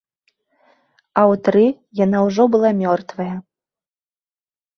А ў тры яна ўжо была мёртвая!